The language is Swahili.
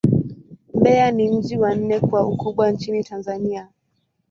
Mbeya ni mji wa nne kwa ukubwa nchini Tanzania.